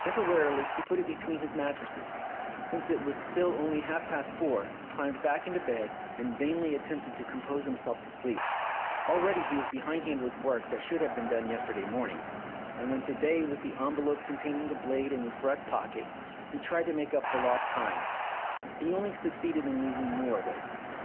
Temporarily, he put it between his mattresses, and, since it was still only half past four, climbed back into bed, and vainly attempted to compose himself to sleep, Already he was behindhand with work that should have been done yesterday morning, and when 299 Philip's Safety Razor to day, with the envelope containing the blade in his breast pocket, he tried to make up for lost time, he only succeeded in losing more of it.